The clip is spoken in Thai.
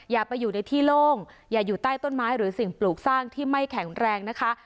อย่าไปอยู่ในที่โล่งอย่าอยู่ใต้ต้นไม้หรือสิ่งปลูกสร้างที่ไม่แข็งแรงนะคะ